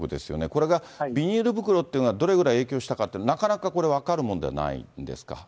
これがビニール袋っていうのがどれぐらい影響したかってなかなかこれ、分かるもんではないんですか。